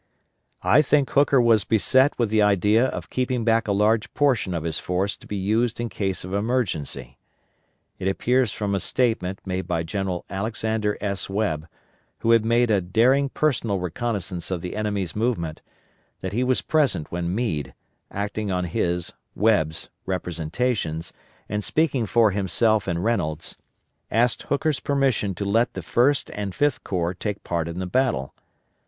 I think Hooker was beset with the idea of keeping back a large portion of his force to be used in case of emergency. It appears from a statement made by General Alexander S. Webb, who had made a daring personal reconnoissance of the enemy's movement, that he was present when Meade acting on his (Webb's) representations, and speaking for himself and Reynolds asked Hooker's permission to let the First and Fifth Corps take part in the battle.